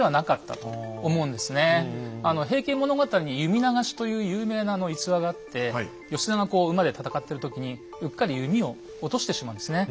「平家物語」に「弓流し」という有名な逸話があって義経がこう馬で戦ってる時にうっかり弓を落としてしまうんですね。